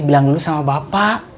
bilang dulu sama bapak